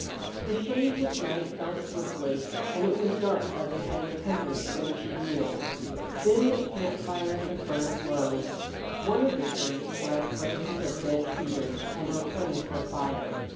The shades of night fell swiftly, and it was dark by the time the hunters finished the meal. Then the camp fire had burned low. One of the three dragged branches of dead cedars and replenished the fire.